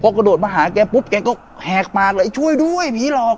กระโดดมาหาแกปุ๊บแกก็แหกปากเลยช่วยด้วยผีหลอก